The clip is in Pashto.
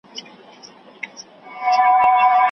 نن له سرو میو نشې تللي دي مستي ویده ده